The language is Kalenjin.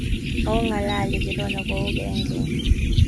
Makong'alali Kirono kou eng' keny.